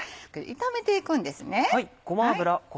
炒めていくんです。